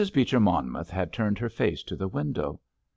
Beecher Monmouth had turned her face to the window.